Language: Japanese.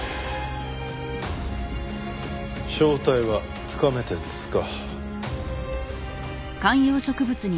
正体はつかめてるんですか？